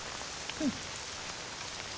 うん。